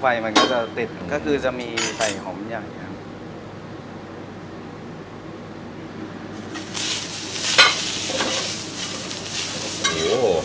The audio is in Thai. ไฟมันก็จะติดก็คือจะมีไฟหอมอย่างเนี้ยครับ